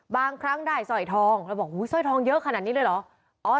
บางครั้งได้สร้อยทองแล้วบอกสร้อยทองเยอะขนาดนี้เลยเหรอ